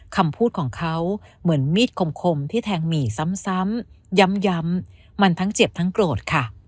คำพูดของเขาเหมือนมีดคมที่แทงหมี่ซ้ำย้ำมันทั้งเจ็บทั้งโกรธค่ะ